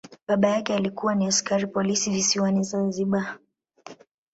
Baba yake alikuwa ni askari polisi visiwani Zanzibar.